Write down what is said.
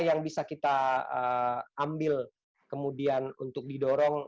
apa yang bisa kita ambil kemudian untuk diatur kembali